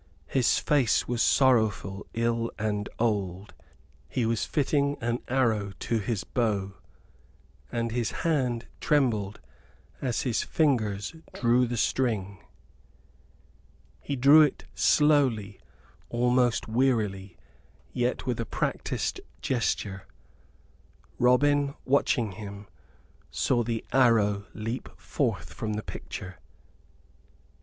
His face was sorrowful, ill, and old. He was fitting an arrow to his bow, and his hand trembled as his fingers drew the string. He drew it slowly, almost wearily, yet with a practised gesture. Robin, watching him, saw the arrow leap forth from the picture.